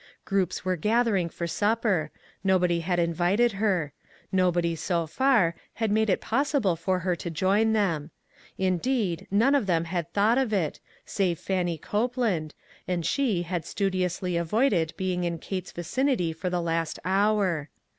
Groups were gathering for supper; nobody had in vited her ; nobody, so far, had made it pos sible for her to join them. Indeed, none of them had thought of it, save Fannie Copeland, and she had studiously avoided being in Kate's vicinity for the last hour.